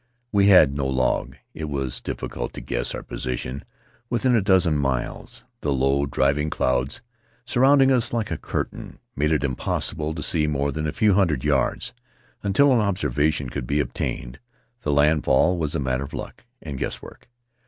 We had no log; it was difficult to guess our position within a dozen miles; the low driving clouds, surrounding us like a curtain, made it impossible to see more than a few hundred yards. Until an observation could be obtained, the landfall was a matter of luck and guesswork.